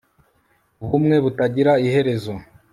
Ubumwe butagira iherezo